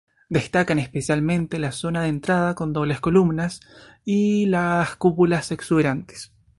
Destacan especialmente la zona de entrada con dobles columnas y las cúpulas exuberantes.